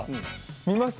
見ます。